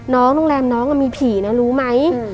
โรงแรมน้องมีผีนะรู้ไหม